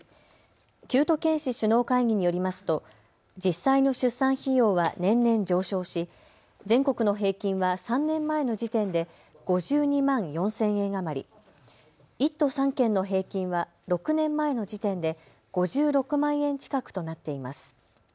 九都県市首脳会議によりますと実際の出産費用は年々上昇し全国の平均は３年前の時点で５２万４０００円余り、１都３県の平均は６年前の時点で５６万円近くとなっています。